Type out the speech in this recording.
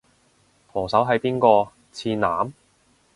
舵手係邊個？次男？